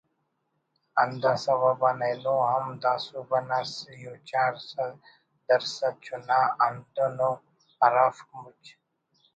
ہندا سوب آن اینو ہم دا صوبہ نا سِی و چار درسَد چنا ہندن ءُ ہرافک مچ